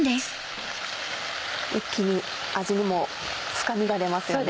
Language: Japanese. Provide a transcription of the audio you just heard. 一気に味にも深みが出ますよね。